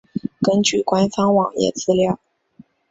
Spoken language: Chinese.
根据官方网页资料。